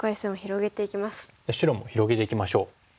白も広げていきましょう。